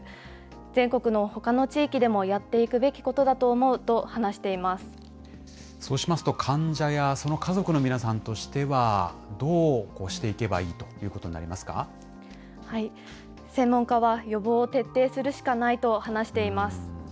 全国のほかの地域でもやっていくそうしますと、患者やその家族の皆さんとしては、どうしていけばいいということになりますか専門家は、予防を徹底するしかないと話しています。